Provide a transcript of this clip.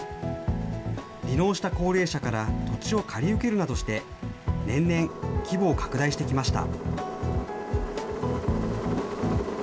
離農した高齢者から土地を借り受けるなどして、年々、規模を拡大してきました。